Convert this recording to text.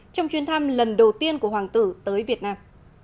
trong chuyến thăm lần đầu tiên của hoàng tử tới việt nam